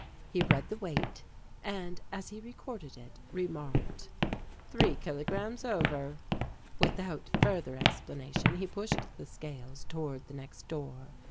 He read the weight and as he recorded it, remarked: "Three kilograms over." Without further explanation he pushed the scales toward the next door.